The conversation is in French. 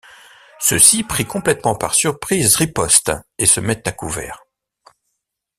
Ceux-ci, pris complètement par surprise, ripostent et se mettent à couvert.